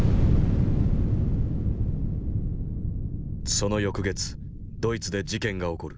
その翌月ドイツで事件が起こる。